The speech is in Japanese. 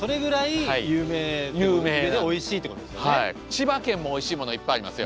千葉県もおいしいものいっぱいありますよ。